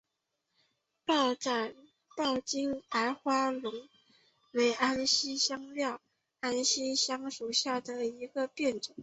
抱茎叶白花龙为安息香科安息香属下的一个变种。